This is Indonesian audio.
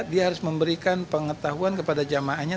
dia harus memberikan pengetahuan kepada jamaahnya